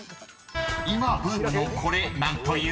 ［今ブームのこれ何という？］